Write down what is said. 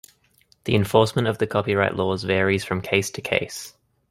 The enforcement of the copyright laws varies from case to case.